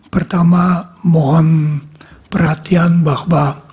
pertama mohon perhatian bahwa